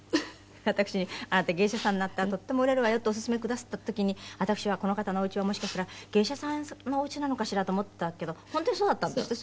私に「あなた芸者さんになったらとっても売れるわよ」ってお勧めくだすった時に私はこの方のおうちはもしかしたら芸者さんのおうちなのかしらと思ったけど本当にそうだったんですって？